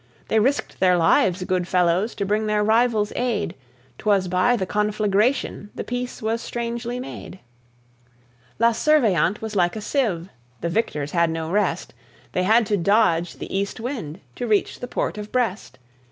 They risked their lives, good fellows! to bring their rivals aid. Twas by the conflagration the peace was strangely made. La Surveillante was like a sieve; the victors had no rest; They had to dodge the east wind to reach the port of Brest.